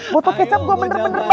botol kecap gue bener bener bas